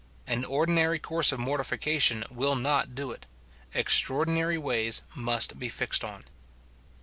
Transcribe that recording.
An ordi nary course of mortification will not do it ; extraordinary ways must be fixed on.